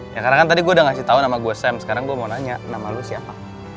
ya karena kan tadi gue udah ngasih tau nama gue sam sekarang gue mau nanya nama lo siapa